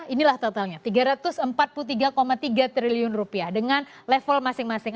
inilah totalnya rp tiga ratus empat puluh tiga tiga triliun rupiah dengan level masing masing